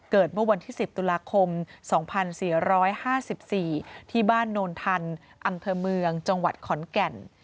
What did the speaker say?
เมื่อวันที่๑๐ตุลาคม๒๔๕๔ที่บ้านโนนทันอำเภอเมืองจังหวัดขอนแก่น